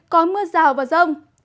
có mưa rào và rông